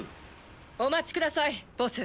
お待ちくださいボス。